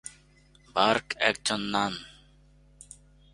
Bark একজন নান।